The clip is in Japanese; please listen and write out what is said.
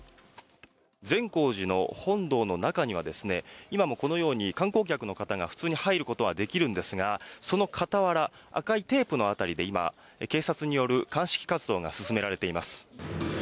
善光寺の本堂の中には今もこのように観光客の方が普通に入ることはできるんですがその傍ら、赤いテープの辺りで今、警察による鑑識活動が進められています。